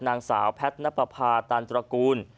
นางสาวแพทย์ณปภาตันตรกูล